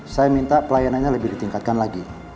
saya minta pelayanannya lebih ditingkatkan lagi